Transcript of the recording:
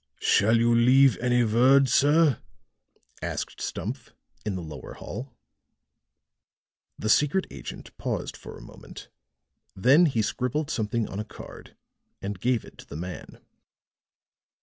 "Shall you leave any word, sir?" asked Stumph, in the lower hall. The secret agent paused for a moment. Then he scribbled something on a card and gave it to the man.